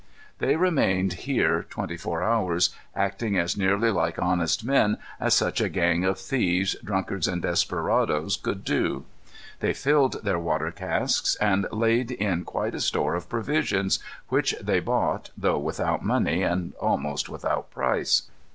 They remained here twenty four hours, acting as nearly like honest men as such a gang of thieves, drunkards, and desperadoes could do. They filled their water casks, and laid in quite a store of provisions, which they bought, though without money and almost without price.